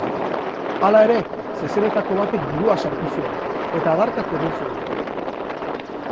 Hala ere, zezenetako batek burua sartu zuen, eta adarkatu egin zuen.